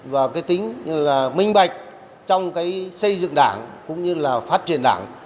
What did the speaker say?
và tính minh bạch trong xây dựng đảng cũng như phát triển đảng